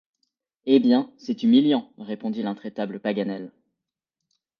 Eh bien, c’est humiliant! répondit l’intraitable Paganel.